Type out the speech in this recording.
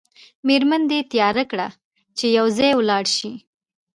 میرمن دې تیاره کړه چې یو ځای ولاړ شئ.